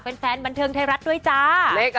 แฟนบันเทิงไทยรัฐด้วยจ้า